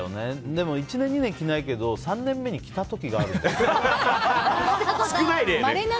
でも１年、２年着ないけど３年目に着た時がある。